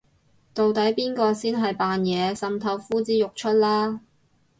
到底邊個先係扮嘢滲透呼之欲出啦